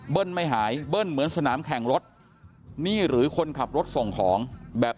ไม่หายเบิ้ลเหมือนสนามแข่งรถนี่หรือคนขับรถส่งของแบบ